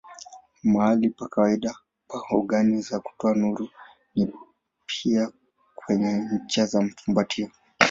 Mahali pa kawaida pa ogani za kutoa nuru ni kwenye ncha ya fumbatio.